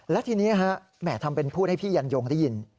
และทีนี้แหม่ทำเป็นพูดให้พี่ยันยงได้ยิน